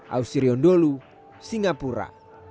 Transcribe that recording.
ausirion dholu singapura